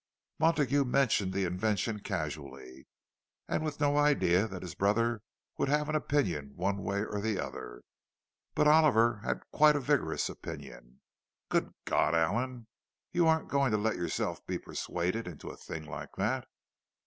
Montague mentioned the invention casually, and with no idea that his brother would have an opinion one way or the other. But Oliver had quite a vigorous opinion: "Good God, Allan, you aren't going to let yourself be persuaded into a thing like that!"